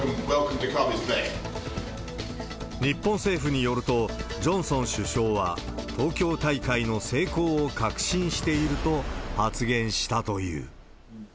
日本政府によると、ジョンソン首相は、東京大会の成功を確信していると発言したという。